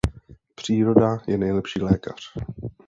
Příroda je nejlepší lékař.